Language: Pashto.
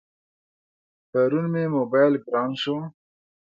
پرون مې موبایل گران شو.